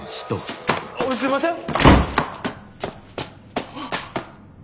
すいません！